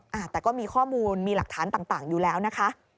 อ่าแต่ก็มีข้อมูลมีหลักฐานต่างอยู่แล้วนะคะ